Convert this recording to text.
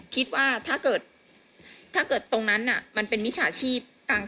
คิดว่ามันเป็นผู้หญิง